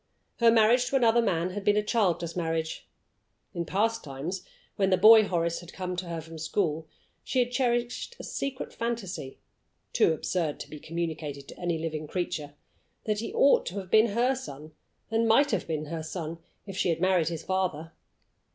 Her marriage to another man had been a childless marriage. In past times, when the boy Horace had come to her from school, she had cherished a secret fancy (too absurd to be communicated to any living creature) that he ought to have been her son, and might have been her son, if she had married his father!